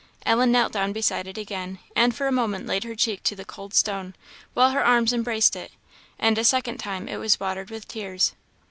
Ellen knelt down beside it again, and for a moment laid her cheek to the cold stone, while her arms embraced it, and a second time it was watered with tears.